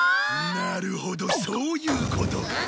なるほどそういうことか。